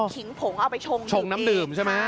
ขิงผงเอาไปชงชงน้ำดื่มใช่ไหม